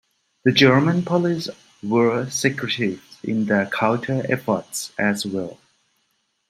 The German police were secretive in their counter efforts as well.